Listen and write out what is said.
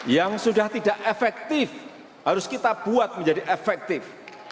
yang sudah tidak efektif harus kita buat menjadi efektif